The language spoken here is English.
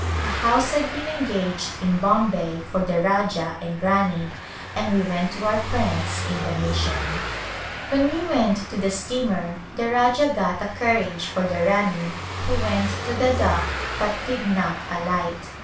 A house had been engaged in Bombay for the Rajah and Rani, and we went to our friends in the mission. When we went to the steamer the Rajah got a car riage for the Rani who went to the dock but did not alight.